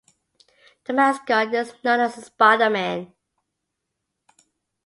The mascot is known as the Spider-Man.